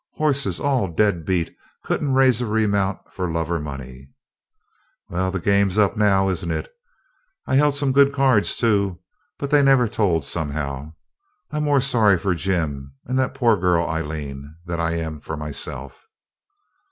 Horses all dead beat; couldn't raise a remount for love or money.' 'Well, the game's up now, isn't it? I've held some good cards too, but they never told, somehow. I'm more sorry for Jim and that poor girl, Aileen, than I am for myself.'